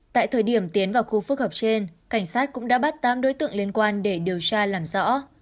tại thời điểm tiến vào khu phức hợp trên cảnh sát cũng đã bắt tám đối tượng liên quan để điều tra làm rõ